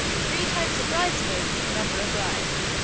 Three times a bridesmaid, never a bride.